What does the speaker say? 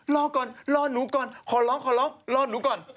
ลอก่อนลอกหนูก่อนขอร้องลอกหนูก่อน